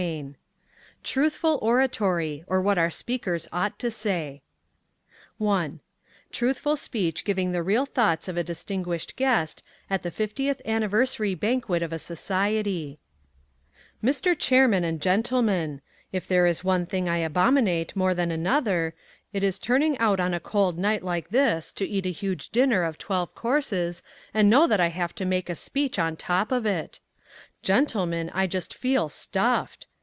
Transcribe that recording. VIII Truthful Oratory, or What Our Speakers Ought to Say I TRUTHFUL SPEECH GIVING THE REAL THOUGHTS OF A DISTINGUISHED GUEST AT THE FIFTIETH ANNIVERSARY BANQUET OF A SOCIETY Mr. Chairman and gentlemen: If there is one thing I abominate more than another, it is turning out on a cold night like this to eat a huge dinner of twelve courses and know that I have to make a speech on top of it. Gentlemen, I just feel stuffed.